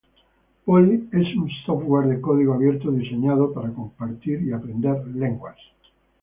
Poly es un software de código abierto diseñado para compartir y aprender lenguas.